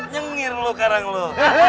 nyengir lu karang lu